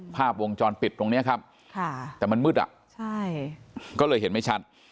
ภาพวงจรปิดตรงนี้ครับแต่มันมืดอ่ะใช่ก็เลยเห็นไม่ชัด